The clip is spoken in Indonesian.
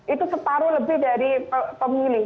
itu separuh lebih dari pemilih